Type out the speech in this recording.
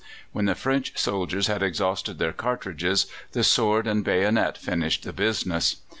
When the French soldiers had exhausted their cartridges, the sword and bayonet finished the business.